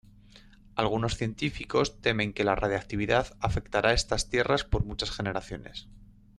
Algunos científicos temen que la radiactividad afectará estas tierras por muchas generaciones.